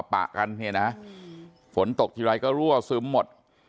ปะกันเห็นไหมครับฝนตกทีไร้ก็รั่วซึมหมด